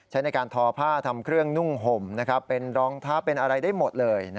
ใช้ในการทอผ้าทำเครื่องนุ่งห่มเป็นรองเท้าเป็นอะไรได้หมดเลย